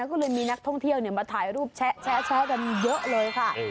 ก็เลยมีนักท่องเที่ยวมาถ่ายรูปแชะกันเยอะเลยค่ะ